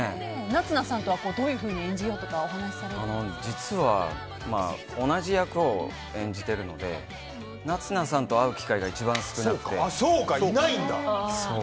夏菜さんとはどういうふうに演じようとか実は、同じ役を演じているので夏菜さんと会う機会がそうか、いないんだ！